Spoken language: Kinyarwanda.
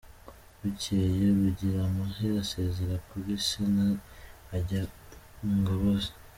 Bukeye Rugiramahe asezera kuri se ajya mu ngabo ze.